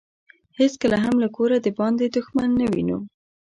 هیڅکله هم له کوره دباندې دښمن نه وينو.